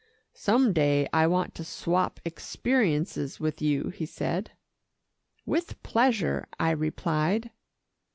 "Some day I want to swap experiences with you," he said. "With pleasure," I replied.